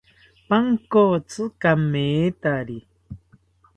Pankotzi kamethari